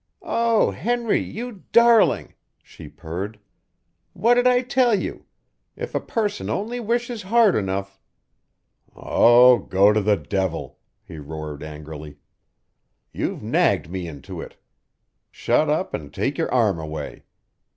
"Oh, Henry, you darling!" she purred. "What did I tell you? If a person only wishes hard enough " "Oh, go to the devil!" he roared angrily. "You've nagged me into it. Shut up and take your arm away.